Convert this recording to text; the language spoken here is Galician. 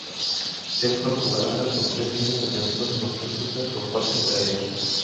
Ten forma ovalada con tres liñas defensivas concéntricas con foxo entre elas.